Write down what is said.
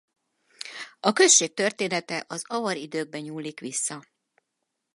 A község története az avar időkbe nyúlik vissza.